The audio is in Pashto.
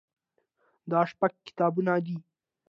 دا شپږ کتابونه دي.